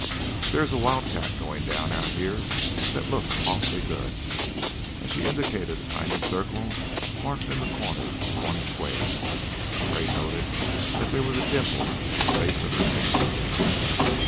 "There is a wildcat going down out here that looks awfully good." As she indicated a tiny circle marked into the corner of one square, Gray noted that there was a dimple at the base of her finger.